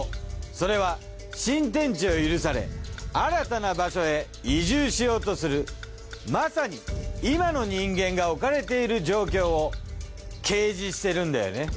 それは新天地を許され新たな場所へ移住しようとするまさに今の人間が置かれている状況を啓示してるんだよね。